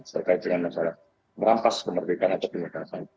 sertaikan dengan masalah merampas kemerdekaan atau kemerdekaan